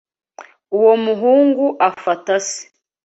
Uwo muhungu afata se.